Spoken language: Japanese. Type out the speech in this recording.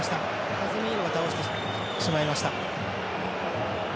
カゼミーロが倒してしまいました。